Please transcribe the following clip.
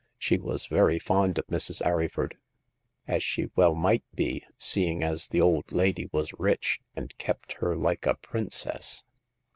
She was very fond of Mrs. Arryford, as she well might be, seeing as the old lady was rich and kept her like a princess.